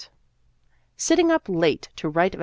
Sitting up late to write ) T